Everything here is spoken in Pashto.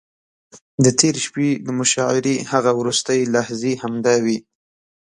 د تېرې شپې د مشاعرې هغه وروستۍ لحظې همداوې.